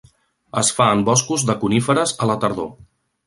Es fa en boscos de coníferes a la tardor.